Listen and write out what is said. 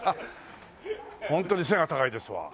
ホントに背が高いですわ。